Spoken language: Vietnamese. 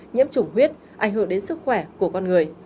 nhiễm chủng huyết ảnh hưởng đến sức khỏe của con người